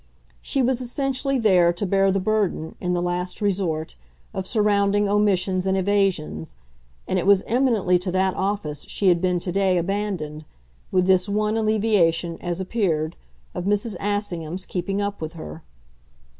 She was essentially there to bear the burden, in the last resort, of surrounding omissions and evasions, and it was eminently to that office she had been to day abandoned with this one alleviation, as appeared, of Mrs. Assingham's keeping up with her.